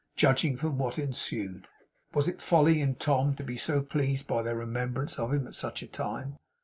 Judging from what ensued. Was it folly in Tom to be so pleased by their remembrance of him at such a time?